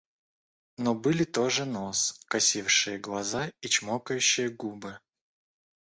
Но были тоже нос, косившие глаза и чмокающие губы.